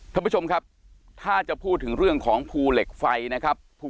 ท่านผู้ชมครับถ้าจะพูดถึงเรื่องของภูเหล็กไฟนะครับ